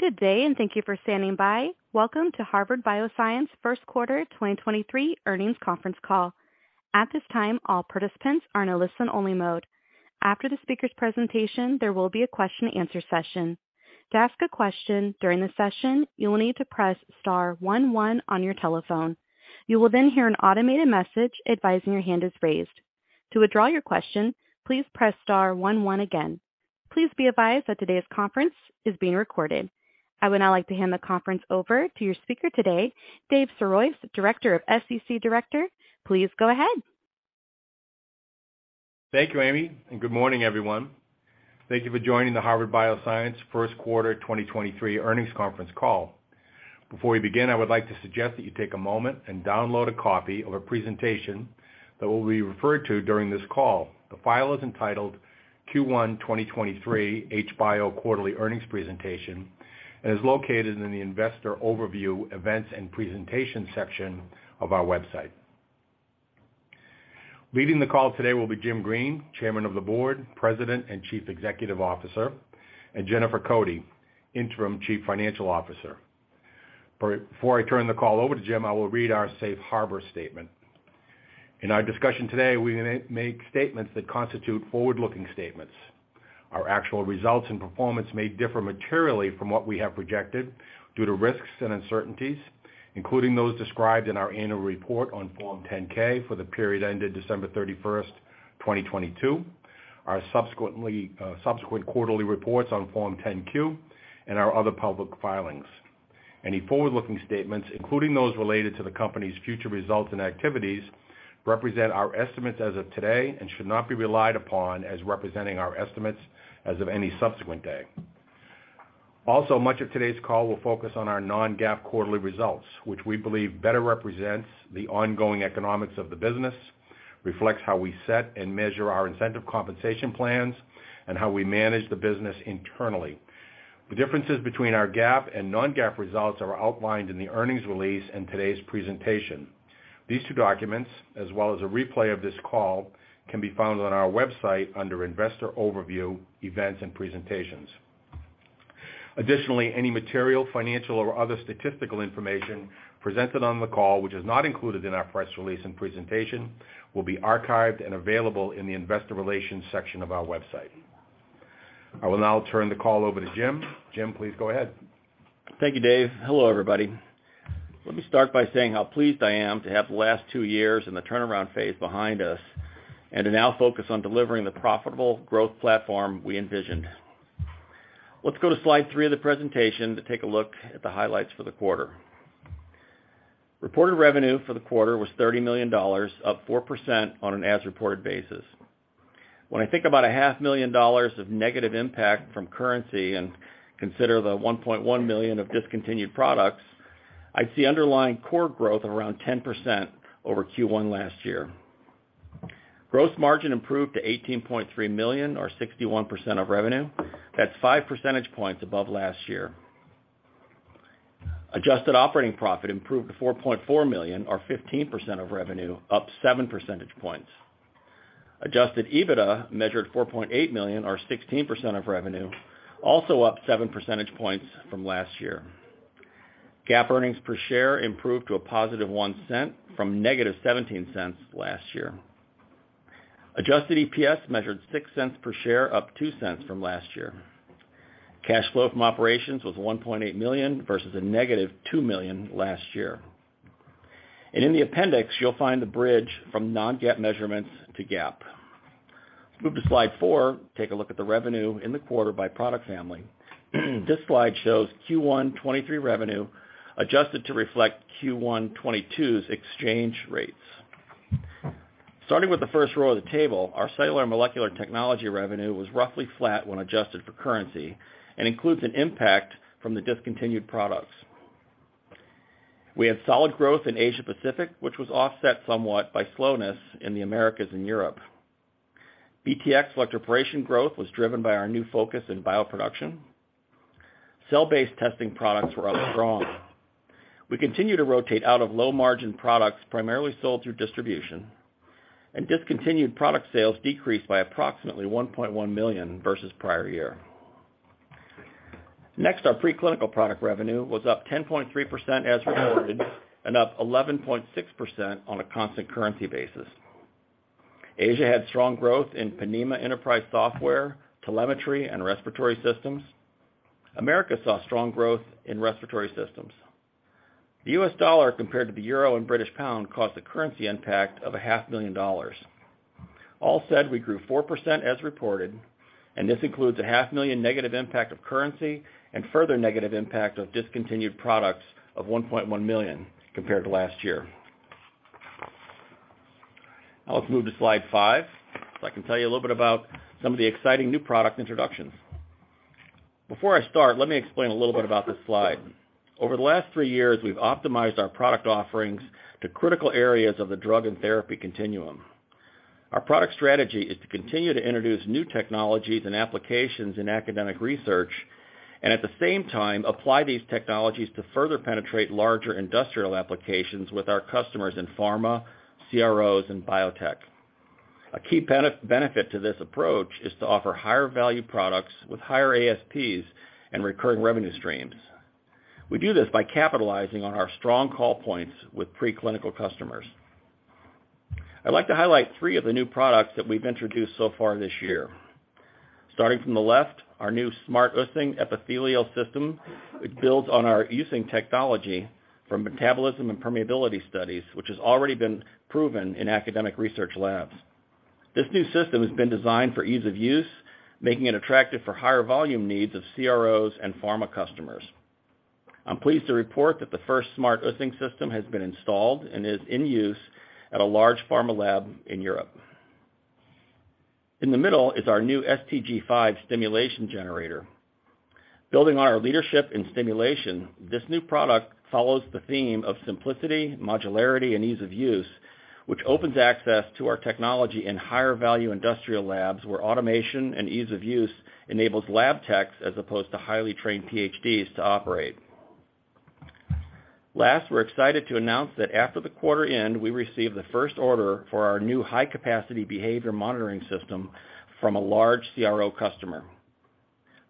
Good day, and thank you for standing by. Welcome to Harvard Bioscience 1st quarter 2023 earnings conference call. At this time, all participants are in a listen-only mode. After the speaker's presentation, there will be a question and answer session. To ask a question during the session, you will need to press star one one on your telephone. You will then hear an automated message advising your hand is raised. To withdraw your question, please press star one one again. Please be advised that today's conference is being recorded. I would now like to hand the conference over to your speaker today, Dave Sirois, director of SEC. Please go ahead. Thank you, Amy. Good morning, everyone. Thank you for joining the Harvard Bioscience 1st quarter 2023 earnings conference call. Before we begin, I would like to suggest that you take a moment and download a copy of our presentation that will be referred to during this call. The file is entitled Q1 2023 HBIO Quarterly Earnings Presentation and is located in the Investor Overview Events and Presentation section of our website. Leading the call today will be Jim Green, Chairman of the Board, President and Chief Executive Officer, Jennifer Cote, Interim Chief Financial Officer. Before I turn the call over to Jim, I will read our safe harbor statement. In our discussion today, we may make statements that constitute forward-looking statements. Our actual results and performance may differ materially from what we have projected due to risks and uncertainties, including those described in our annual report on Form 10-K for the period ended December 31st, 2022, our subsequently subsequent quarterly reports on Form 10-Q, and our other public filings. Any forward-looking statements, including those related to the company's future results and activities, represent our estimates as of today and should not be relied upon as representing our estimates as of any subsequent day. Much of today's call will focus on our non-GAAP quarterly results, which we believe better represents the ongoing economics of the business, reflects how we set and measure our incentive compensation plans, and how we manage the business internally. The differences between our GAAP and non-GAAP results are outlined in the earnings release and today's presentation. These two documents, as well as a replay of this call, can be found on our website under Investor Overview, Events and Presentations. Additionally, any material, financial or other statistical information presented on the call, which is not included in our press release and presentation, will be archived and available in the Investor Relations section of our website. I will now turn the call over to Jim. Jim, please go ahead. Thank you, Dave. Hello, everybody. Let me start by saying how pleased I am to have the last two years in the turnaround phase behind us and to now focus on delivering the profitable growth platform we envisioned. Let's go to slide three of the presentation to take a look at the highlights for the quarter. Reported revenue for the quarter was $30 million, up 4% on an as-reported basis. When I think about a half million dollars of negative impact from currency and consider the $1.1 million of discontinued products, I see underlying core growth of around 10% over Q1 last year. Gross margin improved to $18.3 million or 61% of revenue. That's five percentage points above last year. Adjusted operating profit improved to $4.4 million or 15% of revenue, up seven percentage points. Adjusted EBITDA measured $4.8 million or 16% of revenue, also up seven percentage points from last year. GAAP earnings per share improved to a positive $0.01 from negative $0.17 last year. Adjusted EPS measured $0.06 per share, up $0.02 from last year. Cash flow from operations was $1.8 million versus a negative $2 million last year. In the appendix, you'll find the bridge from non-GAAP measurements to GAAP. Move to slide four, take a look at the revenue in the quarter by product family. This slide shows Q1 2023 revenue adjusted to reflect Q1 2022's exchange rates. Starting with the first row of the table, our cellular and molecular technology revenue was roughly flat when adjusted for currency and includes an impact from the discontinued products. We had solid growth in Asia-Pacific, which was offset somewhat by slowness in the Americas and Europe. BTX electroporation growth was driven by our new focus in bioproduction. Cell-based testing products were up strong. We continue to rotate out of low-margin products primarily sold through distribution. Discontinued product sales decreased by approximately $1.1 million versus prior year. Our preclinical product revenue was up 10.3% as reported and up 11.6% on a constant currency basis. Asia had strong growth in Ponemah Enterprise software, telemetry, and respiratory systems. America saw strong growth in respiratory systems. The U.S. dollar compared to the euro and British pound caused a currency impact of a half million dollars. All said, we grew 4% as reported, and this includes a half million negative impact of currency and further negative impact of discontinued products of $1.1 million compared to last year. Let's move to slide five, so I can tell you a little bit about some of the exciting new product introductions. Before I start, let me explain a little bit about this slide. Over the last three years, we've optimized our product offerings to critical areas of the drug and therapy continuum. Our product strategy is to continue to introduce new technologies and applications in academic research and at the same time, apply these technologies to further penetrate larger industrial applications with our customers in pharma, CROs, and biotech. A key benefit to this approach is to offer higher value products with higher ASPs and recurring revenue streams. We do this by capitalizing on our strong call points with preclinical customers. I'd like to highlight three of the new products that we've introduced so far this year. Starting from the left, our new SmartUSSING Epithelial System, which builds on our Ussing technology from metabolism and permeability studies, which has already been proven in academic research labs. This new system has been designed for ease of use, making it attractive for higher volume needs of CROs and pharma customers. I'm pleased to report that the first SmartUSSING system has been installed and is in use at a large pharma lab in Europe. In the middle is our new STG5 stimulation generator. Building on our leadership in stimulation, this new product follows the theme of simplicity, modularity, and ease of use, which opens access to our technology in higher value industrial labs, where automation and ease of use enables lab techs as opposed to highly trained PhDs to operate. We're excited to announce that after the quarter end, we received the first order for our new high-capacity behavior monitoring system from a large CRO customer.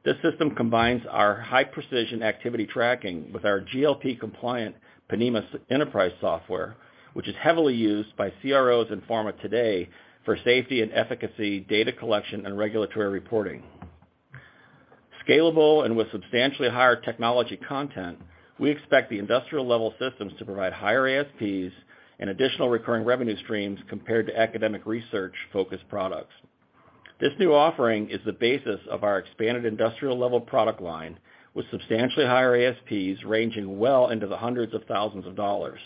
This system combines our high-precision activity tracking with our GLP compliant Ponemah Enterprise software, which is heavily used by CROs and pharma today for safety and efficacy, data collection, and regulatory reporting. Scalable and with substantially higher technology content, we expect the industrial level systems to provide higher ASPs and additional recurring revenue streams compared to academic research-focused products. This new offering is the basis of our expanded industrial level product line, with substantially higher ASPs ranging well into the hundreds of thousands of dollars.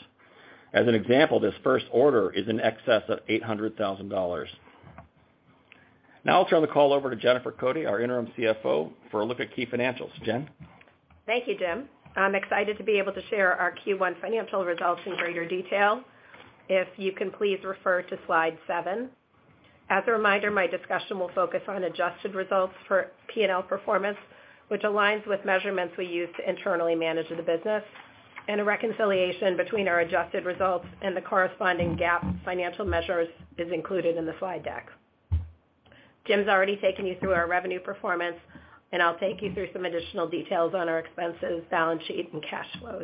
As an example, this first order is in excess of $800,000. Now I'll turn the call over to Jennifer Cote, our Interim CFO, for a look at key financials. Jen. Thank you, Jim. I'm excited to be able to share our Q1 financial results in greater detail. If you can please refer to slide seven. As a reminder, my discussion will focus on adjusted results for P&L performance, which aligns with measurements we use to internally manage the business, and a reconciliation between our adjusted results and the corresponding GAAP financial measures is included in the slide deck. Jim's already taken you through our revenue performance, and I'll take you through some additional details on our expenses, balance sheet, and cash flows.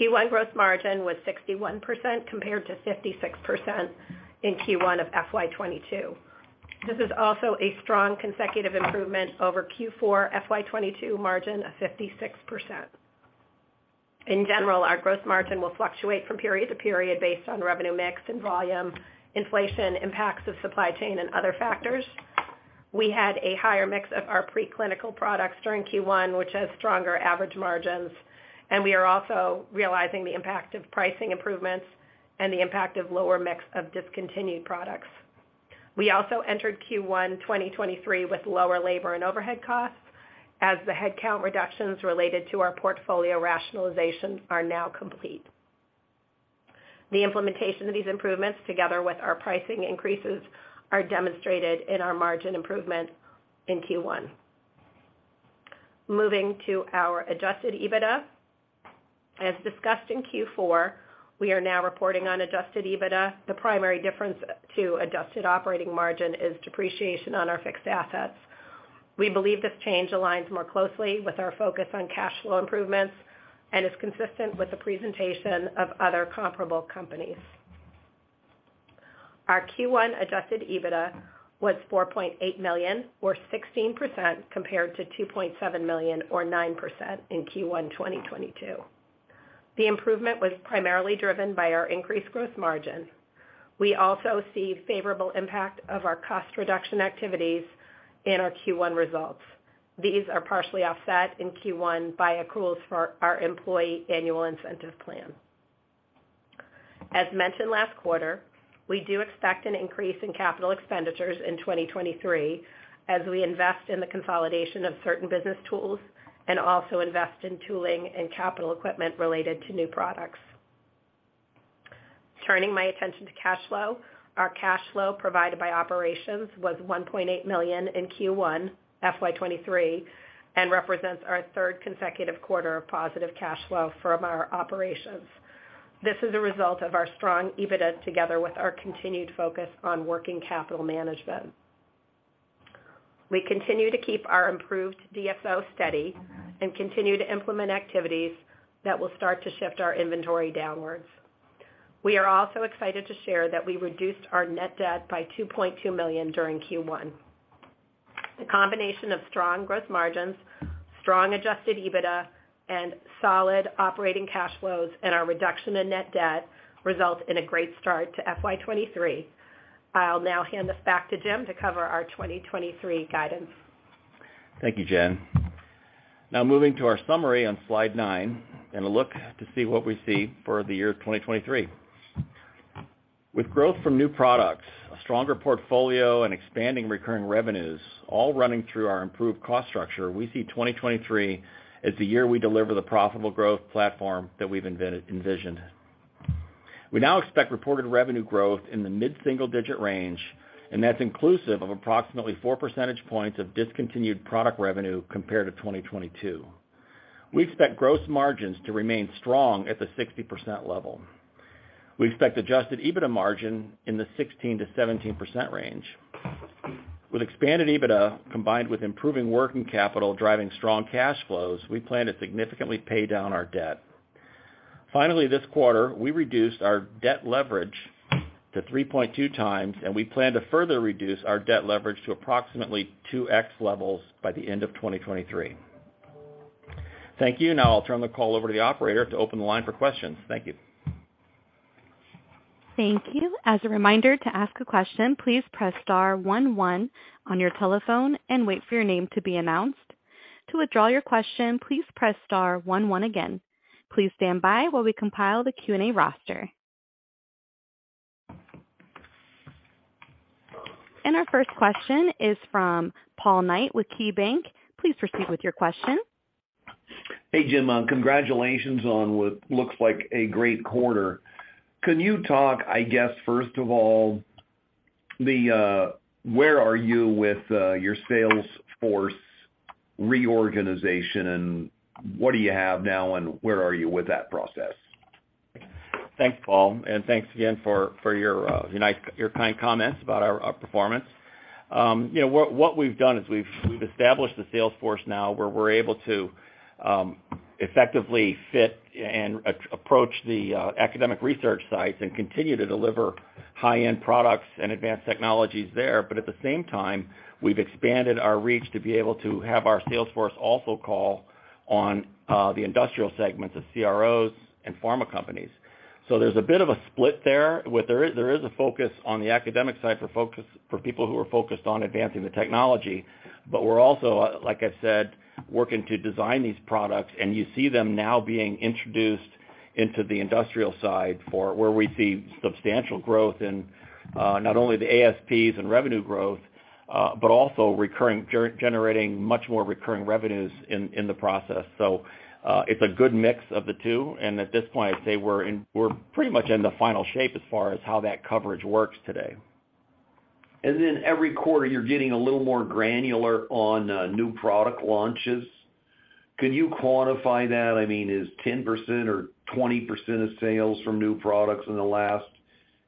Q1 gross margin was 61% compared to 56% in Q1 of FY 2022. This is also a strong consecutive improvement over Q4 FY 2022 margin of 56%. In general, our gross margin will fluctuate from period to period based on revenue mix and volume, inflation, impacts of supply chain, and other factors. We had a higher mix of our preclinical products during Q1, which has stronger average margins, and we are also realizing the impact of pricing improvements and the impact of lower mix of discontinued products. We also entered Q1 2023 with lower labor and overhead costs, as the headcount reductions related to our portfolio rationalization are now complete. The implementation of these improvements, together with our pricing increases, are demonstrated in our margin improvement in Q1. Moving to our adjusted EBITDA. As discussed in Q4, we are now reporting on adjusted EBITDA. The primary difference to adjusted operating margin is depreciation on our fixed assets. We believe this change aligns more closely with our focus on cash flow improvements and is consistent with the presentation of other comparable companies. Our Q1 adjusted EBITDA was $4.8 million, or 16% compared to $2.7 million or 9% in Q1 2022. The improvement was primarily driven by our increased growth margin. We also see favorable impact of our cost reduction activities in our Q1 results. These are partially offset in Q1 by accruals for our employee annual incentive plan. As mentioned last quarter, we do expect an increase in capital expenditures in 2023 as we invest in the consolidation of certain business tools and also invest in tooling and capital equipment related to new products. Turning my attention to cash flow. Our cash flow provided by operations was $1.8 million in Q1 FY 2023 and represents our third consecutive quarter of positive cash flow from our operations. This is a result of our strong EBITDA together with our continued focus on working capital management. We continue to keep our improved DSO steady and continue to implement activities that will start to shift our inventory downwards. We are also excited to share that we reduced our net debt by $2.2 million during Q1. The combination of strong gross margins, strong adjusted EBITDA, and solid operating cash flows and our reduction in net debt results in a great start to FY 2023. I'll now hand this back to Jim to cover our 2023 guidance. Thank you, Jen. Moving to our summary on slide nine and a look to see what we see for the year 2023. With growth from new products, a stronger portfolio, and expanding recurring revenues all running through our improved cost structure, we see 2023 as the year we deliver the profitable growth platform that we've envisioned. We now expect reported revenue growth in the mid-single digit range, and that's inclusive of approximately four percentage points of discontinued product revenue compared to 2022. We expect gross margins to remain strong at the 60% level. We expect adjusted EBITDA margin in the 16%-17% range. With expanded EBITDA, combined with improving working capital driving strong cash flows, we plan to significantly pay down our debt. Finally, this quarter, we reduced our debt leverage to 3.2x, and we plan to further reduce our debt leverage to approximately 2x levels by the end of 2023. Thank you. Now I'll turn the call over to the operator to open the line for questions. Thank you. Thank you. As a reminder to ask a question, please press star one one on your telephone and wait for your name to be announced. To withdraw your question, please press star one one again. Please stand by while we compile the Q&A roster. Our first question is from Paul Knight with KeyBanc. Please proceed with your question. Hey, Jim. Congratulations on what looks like a great quarter. Can you talk, I guess, first of all, the, where are you with, your sales force reorganization, and what do you have now, and where are you with that process? Thanks, Paul, thanks again for your kind comments about our performance. You know, what we've done is we've established the sales force now where we're able to effectively approach the academic research sites and continue to deliver high-end products and advanced technologies there. At the same time, we've expanded our reach to be able to have our sales force also call on the industrial segments of CROs and pharma companies. There's a bit of a split there, where there is a focus on the academic side for people who are focused on advancing the technology. We're also, like I said, working to design these products, and you see them now being introduced into the industrial side for where we see substantial growth in, not only the ASPs and revenue growth, but also recurring, generating much more recurring revenues in the process. It's a good mix of the two, and at this point, I'd say we're pretty much in the final shape as far as how that coverage works today. Every quarter, you're getting a little more granular on new product launches. Can you quantify that? I mean, is 10% or 20% of sales from new products in the last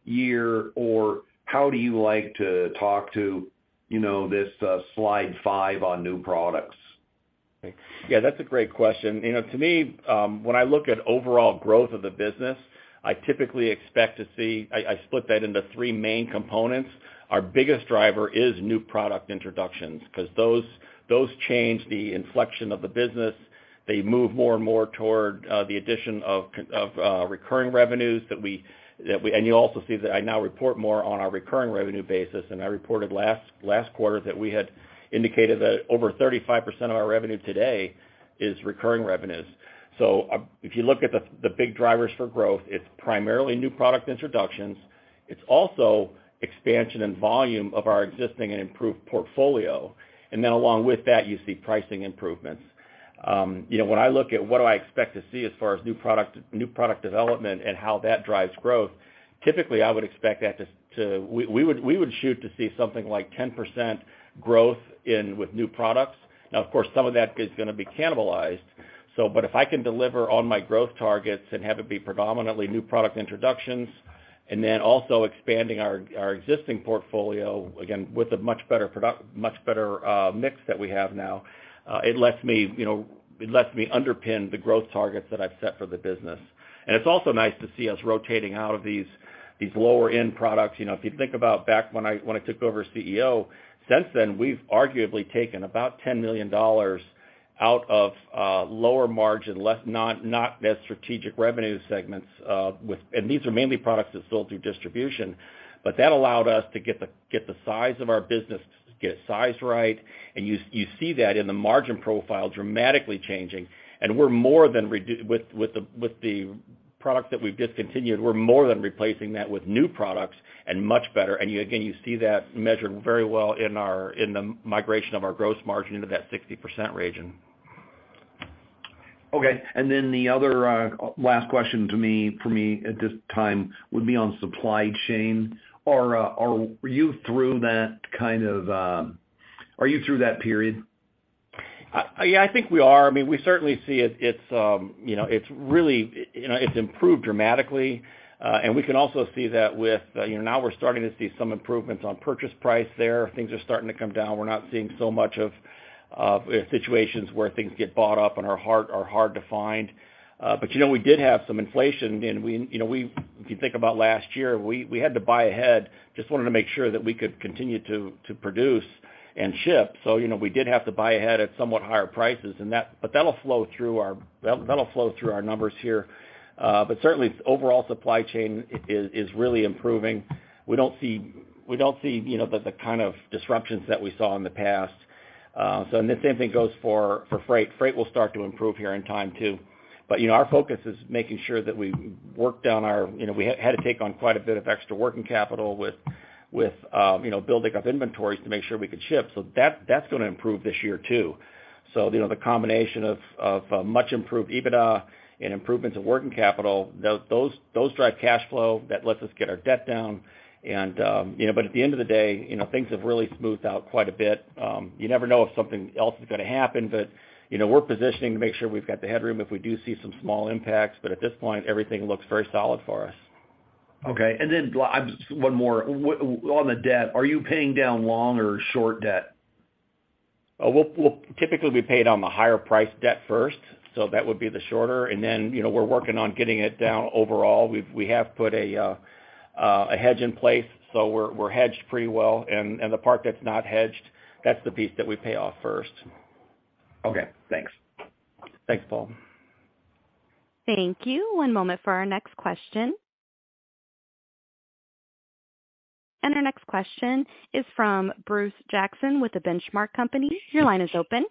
year, or how do you like to talk to, you know, this slide five on new products? Yeah, that's a great question. You know, to me, when I look at overall growth of the business, I typically expect to see. I split that into three main components. Our biggest driver is new product introductions because those change the inflection of the business. They move more and more toward the addition of recurring revenues that we and you also see that I now report more on our recurring revenue basis, and I reported last quarter that we had indicated that over 35% of our revenue today is recurring revenues. If you look at the big drivers for growth, it's primarily new product introductions. It's also expansion and volume of our existing and improved portfolio. Then along with that, you see pricing improvements. You know, when I look at what do I expect to see as far as new product development and how that drives growth, typically, I would expect that to. We would shoot to see something like 10% growth with new products. Of course, some of that is gonna be cannibalized. But if I can deliver on my growth targets and have it be predominantly new product introductions and then also expanding our existing portfolio, again, with a much better mix that we have now, it lets me, you know, it lets me underpin the growth targets that I've set for the business. It's also nice to see us rotating out of these lower-end products. You know, if you think about back when I, when I took over as CEO, since then, we've arguably taken about $10 million out of lower margin, less, not as strategic revenue segments, with. These are mainly products that sold through distribution. That allowed us to get the size of our business, get size right, and you see that in the margin profile dramatically changing. We're more than with the products that we've discontinued, we're more than replacing that with new products and much better. Again, you see that measured very well in our, in the migration of our gross margin into that 60% region. Okay. The other last question to me, for me at this time would be on supply chain. Are you through that period? Yeah, I think we are. I mean, we certainly see it. It's, you know, it's really, you know, it's improved dramatically. We can also see that with, you know, now we're starting to see some improvements on purchase price there. Things are starting to come down. We're not seeing so much of situations where things get bought up and are hard to find. You know, we did have some inflation, and we, you know, we, if you think about last year, we had to buy ahead, just wanted to make sure that we could continue to produce and ship. You know, we did have to buy ahead at somewhat higher prices, and that, but that'll flow through our, that'll flow through our numbers here. Certainly overall supply chain is really improving. We don't see, you know, the kind of disruptions that we saw in the past. The same thing goes for freight. Freight will start to improve here in time too. You know, our focus is making sure that we work down our, you know, we had to take on quite a bit of extra working capital with, you know, building up inventories to make sure we could ship. That's gonna improve this year too. You know, the combination of much improved EBITDA and improvements in working capital, those drive cash flow. That lets us get our debt down. You know, at the end of the day, you know, things have really smoothed out quite a bit. You never know if something else is gonna happen, but, you know, we're positioning to make sure we've got the headroom if we do see some small impacts, but at this point, everything looks very solid for us. Okay. One more. On the debt, are you paying down long or short debt? We'll typically be paying down the higher price debt first, so that would be the shorter. You know, we're working on getting it down overall. We have put a hedge in place, so we're hedged pretty well. The part that's not hedged, that's the piece that we pay off first. Okay. Thanks. Thanks, Paul. Thank you. One moment for our next question. Our next question is from Bruce Jackson with The Benchmark Company. Your line is open.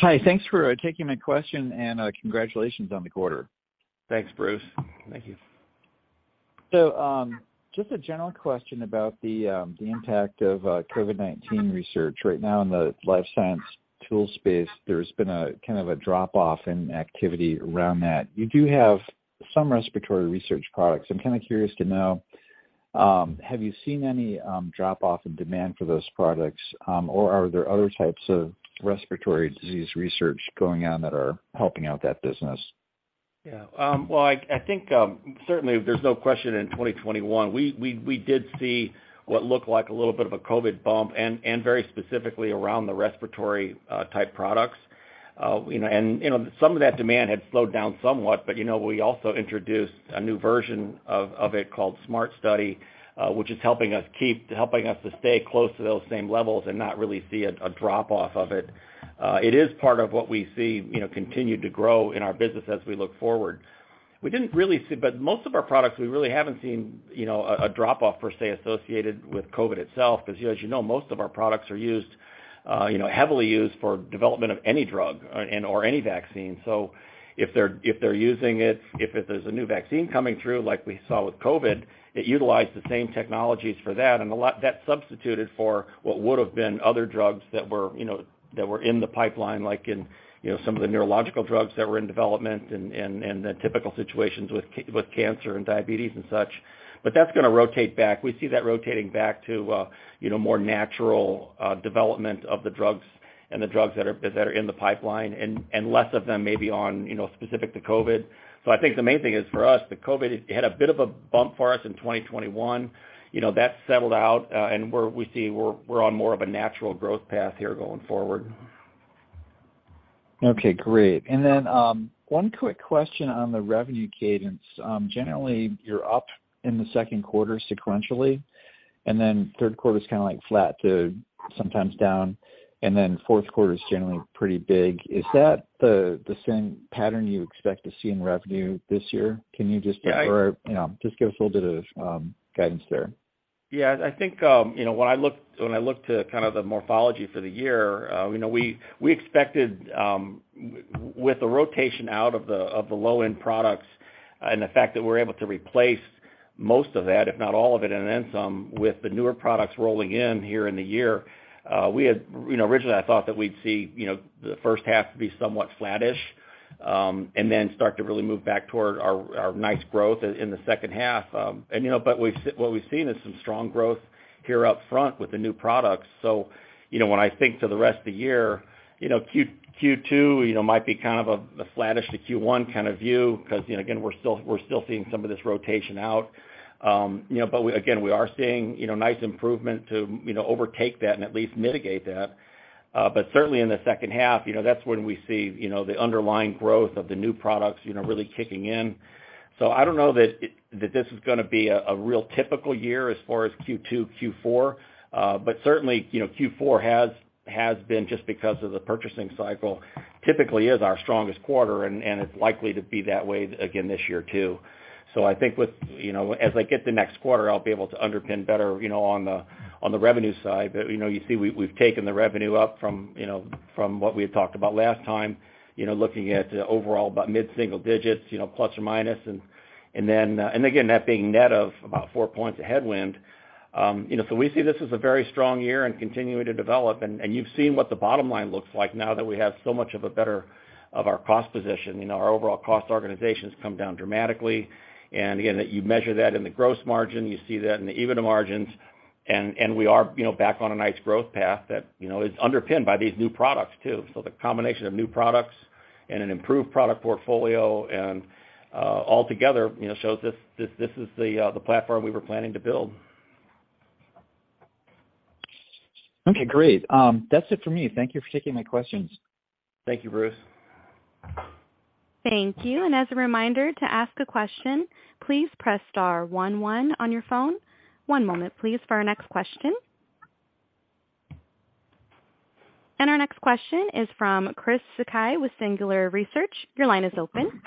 Hi. Thanks for taking my question. Congratulations on the quarter. Thanks, Bruce. Thank you. Just a general question about the impact of COVID-19 research. Right now in the life science tool space, there's been a kind of a drop-off in activity around that. You do have some respiratory research products. I'm kind of curious to know, have you seen any drop-off in demand for those products, or are there other types of respiratory disease research going on that are helping out that business? Well, I think, certainly there's no question in 2021 we did see what looked like a little bit of a COVID-19 bump, very specifically around the respiratory type products. You know, some of that demand had slowed down somewhat, you know, we also introduced a new version of it called SmartStudy, which is helping us to stay close to those same levels and not really see a drop-off of it. It is part of what we see, you know, continue to grow in our business as we look forward. We didn't really see... Most of our products, we really haven't seen, you know, a drop-off per se associated with COVID itself because, you know, as you know, most of our products are used, you know, heavily used for development of any drug and/or any vaccine. If they're using it, if it is a new vaccine coming through, like we saw with COVID, it utilized the same technologies for that. That substituted for what would have been other drugs that were, you know, that were in the pipeline, like in, you know, some of the neurological drugs that were in development and, and the typical situations with cancer and diabetes and such. That's gonna rotate back. We see that rotating back to, you know, more natural development of the drugs and the drugs that are in the pipeline and less of them maybe on, you know, specific to COVID. I think the main thing is for us, the COVID had a bit of a bump for us in 2021. You know, that's settled out, and we see we're on more of a natural growth path here going forward. Okay. Great. One quick question on the revenue cadence. Generally you're up in the second quarter sequentially, and then third quarter is kind of like flat to sometimes down, and then fourth quarter is generally pretty big. Is that the same pattern you expect to see in revenue this year? Yeah. you know, just give us a little bit of guidance there. Yeah. I think, you know, when I look, when I look to kind of the morphology for the year, you know, we expected with the rotation out of the low-end products and the fact that we're able to replace most of that, if not all of it and then some with the newer products rolling in here in the year. You know, originally I thought that we'd see, you know, the first half to be somewhat flattish, and then start to really move back toward our nice growth in the second half. You know, what we've seen is some strong growth here up front with the new products. You know, when I think to the rest of the year, you know, Q2, you know, might be kind of a flattish to Q1 kind of view because, you know, again, we're still seeing some of this rotation out. You know, but again, we are seeing, you know, nice improvement to, you know, overtake that and at least mitigate that. Certainly in the second half, you know, that's when we see, you know, the underlying growth of the new products, you know, really kicking in. I don't know that this is gonna be a real typical year as far as Q2, Q4. Certainly, you know, Q4 has been just because of the purchasing cycle, typically is our strongest quarter and it's likely to be that way again this year too. I think with, you know, as I get the next quarter, I'll be able to underpin better, you know, on the, on the revenue side. You know, you see we've taken the revenue up from, you know, from what we had talked about last time, you know, looking at overall about mid-single digits, you know, plus or minus. Again, that being net of about four points of headwind. You know, we see this as a very strong year and continuing to develop. You've seen what the bottom line looks like now that we have so much of a better of our cost position. You know, our overall cost organization's come down dramatically. Again, you measure that in the gross margin, you see that in the EBITDA margins. We are, you know, back on a nice growth path that, you know, is underpinned by these new products too. The combination of new products and an improved product portfolio and altogether, you know, shows this is the platform we were planning to build. Okay. Great. That's it for me. Thank you for taking my questions. Thank you, Bruce. Thank you. As a reminder to ask a question, please press star one one on your phone. One moment, please, for our next question. Our next question is from Christopher Sakai with Singular Research. Your line is open.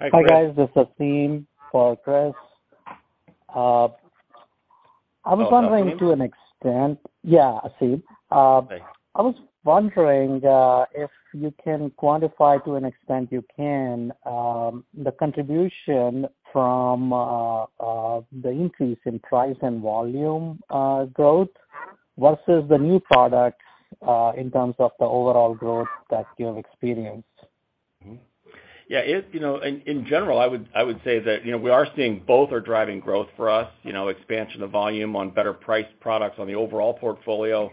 Hi, Chris. Hi, guys. This is Aseem for Chris. I was wondering. Oh, Aseem? To an extent. Yeah, Aseem. Thanks. I was wondering, if you can quantify to an extent you can, the contribution from the increase in price and volume growth versus the new products, in terms of the overall growth that you have experienced? In general, I would, I would say that, you know, we are seeing both are driving growth for us, you know, expansion of volume on better priced products on the overall portfolio.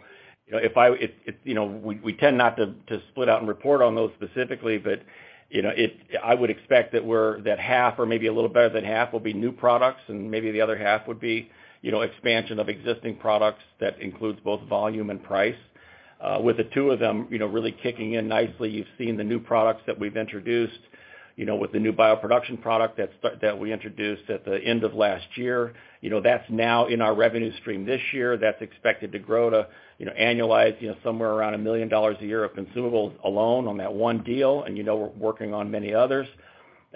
If, you know, we tend not to split out and report on those specifically, I would expect that half or maybe a little better than half will be new products and maybe the other half would be, you know, expansion of existing products that includes both volume and price, with the two of them, you know, really kicking in nicely. You've seen the new products that we've introduced, you know, with the new bioproduction product that we introduced at the end of last year. You know, that's now in our revenue stream this year. That's expected to grow to annualized somewhere around $1 million a year of consumables alone on that one deal. We're working on many others.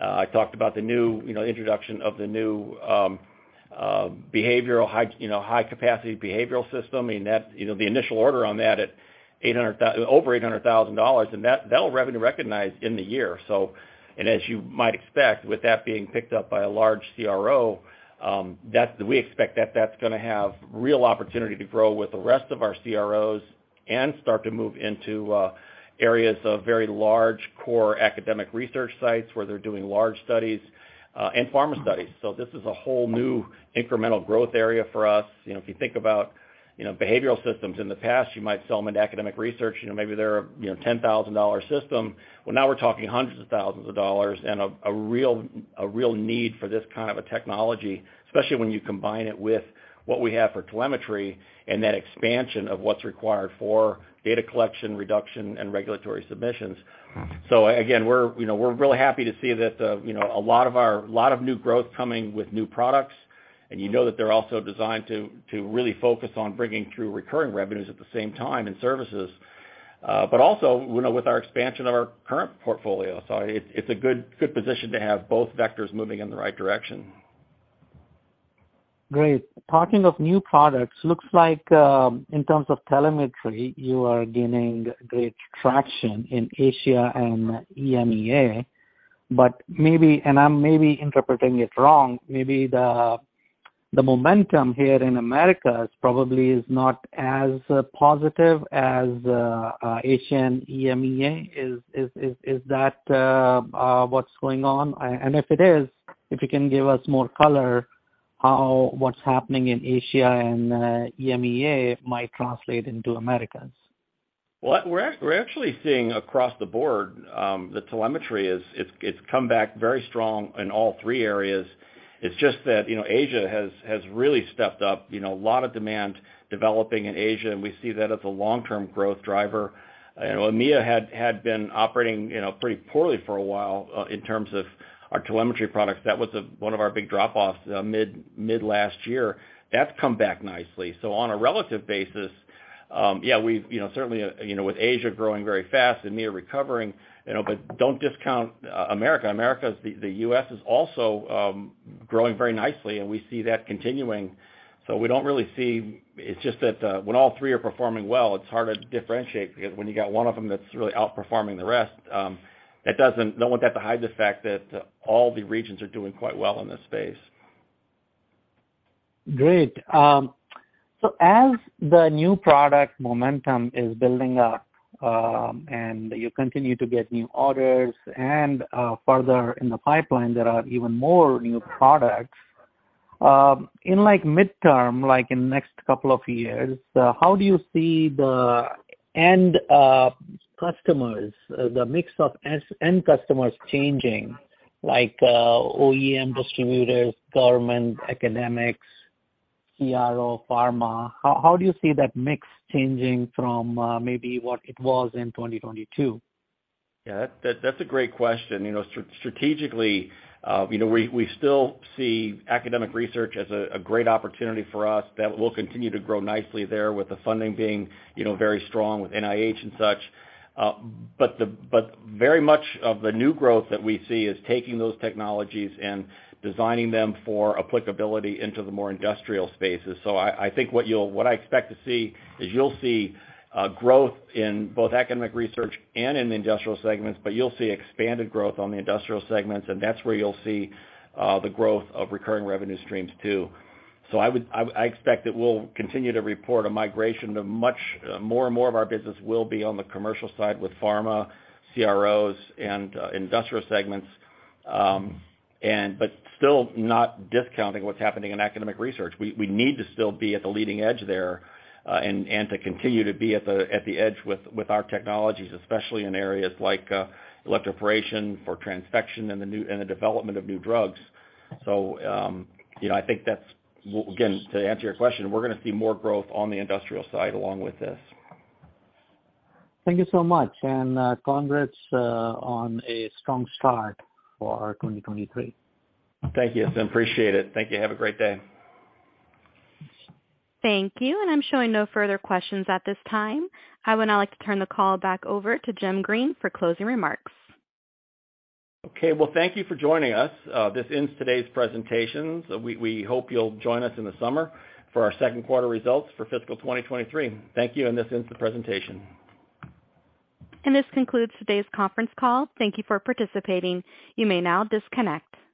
I talked about the new introduction of the new high-capacity behavioral system. The initial order on that at over $800,000 and that will revenue recognize in the year. As you might expect with that being picked up by a large CRO, we expect that that's gonna have real opportunity to grow with the rest of our CROs and start to move into areas of very large core academic research sites where they're doing large studies and pharma studies. This is a whole new incremental growth area for us. You know, if you think about, you know, behavioral systems in the past, you might sell them into academic research, you know, maybe they're a, you know, $10,000 system. Well, now we're talking hundreds of thousands of dollars and a real need for this kind of a technology, especially when you combine it with what we have for telemetry and that expansion of what's required for data collection, reduction and regulatory submissions. Again, we're, you know, we're really happy to see that, you know, a lot of our new growth coming with new products, and you know that they're also designed to really focus on bringing through recurring revenues at the same time and services. Also, you know, with our expansion of our current portfolio. It's a good position to have both vectors moving in the right direction. Great. Talking of new products, looks like, in terms of telemetry, you are gaining great traction in Asia and EMEA. Maybe, and I'm maybe interpreting it wrong, maybe the momentum here in America is probably not as positive as Asia and EMEA. Is that what's going on? If it is, if you can give us more color how what's happening in Asia and EMEA might translate into Americas. Well, we're actually seeing across the board, the telemetry is, it's come back very strong in all three areas. It's just that, you know, Asia has really stepped up. You know, a lot of demand developing in Asia, and we see that as a long-term growth driver. You know, EMEA had been operating, you know, pretty poorly for a while, in terms of our telemetry products. That was one of our big drop-offs, mid last year. That's come back nicely. On a relative basis, yeah, we've, you know, certainly, you know, with Asia growing very fast and EMEA recovering, you know, don't discount America. America is the U.S. is also, growing very nicely, and we see that continuing. We don't really see... It's just that, when all three are performing well, it's hard to differentiate because when you got one of them that's really outperforming the rest, I don't want that to hide the fact that all the regions are doing quite well in this space. Great. As the new product momentum is building up, and you continue to get new orders and further in the pipeline, there are even more new products. In like midterm, like in next couple of years, how do you see the end customers, the mix of end customers changing, like OEM distributors, government, academics, CRO, pharma? How do you see that mix changing from maybe what it was in 2022? Yeah, that's a great question. You know, strategically, you know, we still see academic research as a great opportunity for us that we'll continue to grow nicely there with the funding being, you know, very strong with NIH and such. Very much of the new growth that we see is taking those technologies and designing them for applicability into the more industrial spaces. I think what I expect to see is you'll see growth in both academic research and in industrial segments, but you'll see expanded growth on the industrial segments, and that's where you'll see the growth of recurring revenue streams too. I expect that we'll continue to report a migration of much more and more of our business will be on the commercial side with pharma, CROs and industrial segments. Still not discounting what's happening in academic research. We need to still be at the leading edge there, and to continue to be at the edge with our technologies, especially in areas like electroporation for transfection and the development of new drugs. You know, I think that's. Again, to answer your question, we're gonna see more growth on the industrial side along with this. Thank you so much, and congrats on a strong start for our 2023. Thank you. Appreciate it. Thank you. Have a great day. Thank you. I'm showing no further questions at this time. I would now like to turn the call back over to Jim Green for closing remarks. Okay. Well, thank you for joining us. This ends today's presentations. We hope you'll join us in the summer for our second quarter results for fiscal 2023. Thank you, this ends the presentation. This concludes today's conference call. Thank you for participating. You may now disconnect.